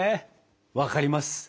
分かります。